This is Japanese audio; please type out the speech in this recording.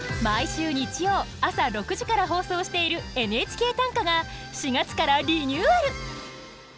毎週日曜朝６時から放送している「ＮＨＫ短歌」が４月からリニューアル。